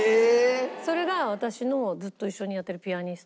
それが私のずっと一緒にやってるピアニストの。